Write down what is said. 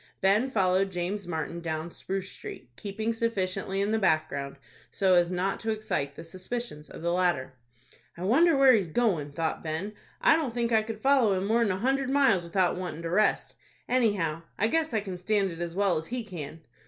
Ben followed James Martin down Spruce Street, keeping sufficiently in the background, so as not to excite the suspicions of the latter. "I wonder where he's goin'," thought Ben; "I don't think I could follow him more'n a hundred miles without wantin' to rest. Anyhow I guess I can stand it as well as he can."